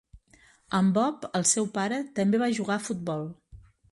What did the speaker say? En Bob, el seu pare, també va jugar a futbol.